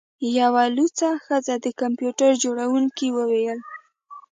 یوه لوڅه ښځه د کمپیوټر جوړونکي وویل